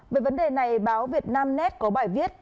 về vấn đề này báo việt nam net có bài viết